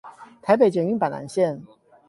臺北捷運板南線